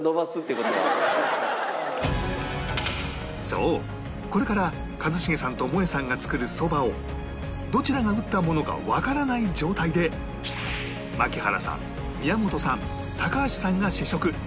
そうこれから一茂さんともえさんが作るそばをどちらが打ったものかわからない状態で槙原さん宮本さん高橋さんが試食